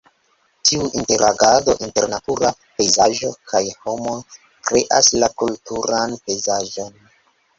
Tiu interagado inter natura pejzaĝo kaj homoj kreas la kulturan pejzaĝon.